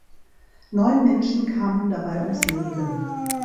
Neun Menschen kamen dabei ums Leben.